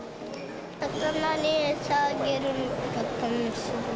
魚に餌あげるのが楽しみ。